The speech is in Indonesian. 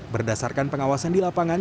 berdasarkan pengawasan di lapangan